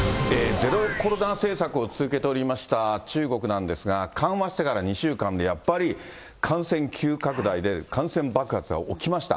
ゼロコロナ政策を続けておりました中国なんですが、緩和してから２週間でやっぱり感染急拡大で、感染爆発が起きました。